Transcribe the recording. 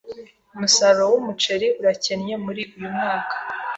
Umusaruro wumuceri urakennye muri uyu mwaka.